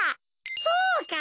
そうか！